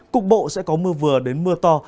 cục bộ sẽ có mưa vừa đến mưa to